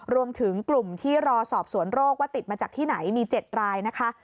รวมถึงกลุ่มที่รอสอบสวนโรคว่าติดมาจากที่ไหนมี๗รายนะคะ